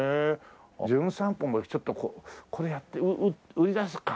『じゅん散歩』もちょっとこうこれやって売り出すか。